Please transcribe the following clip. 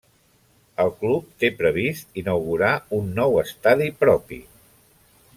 El club té previst inaugurar un nou estadi propi.